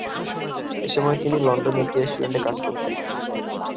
এসময় তিনি লন্ডনের একটি রেস্টুরেন্টে কাজ করতেন।